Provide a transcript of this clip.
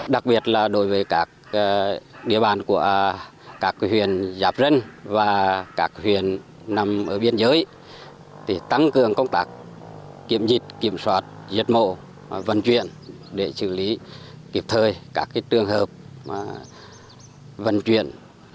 để tăng cường công tác kiểm dịch kiểm soát diệt mộ vận chuyển để xử lý kịp thời các trường hợp vận chuyển